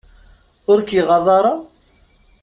Ur k-iɣaḍ ara?